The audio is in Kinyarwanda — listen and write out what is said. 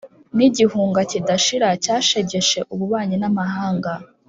n'igihunga kidashira cyashegeshe ububanyi n'amahanga